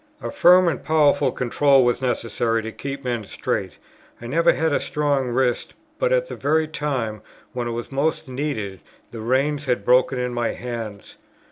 A firm and powerful control was necessary to keep men straight; I never had a strong wrist, but at the very time, when it was most needed, the reins had broken in my hands.